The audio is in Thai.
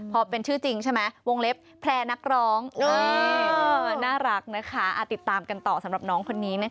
พอเป็นชื่อจริงใช่ไหมวงเล็บแพร่นักร้อง